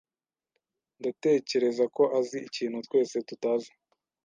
Ndatekereza ko azi ikintu twese tutazi.